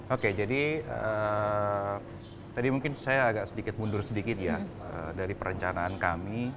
oke jadi tadi mungkin saya agak sedikit mundur sedikit ya dari perencanaan kami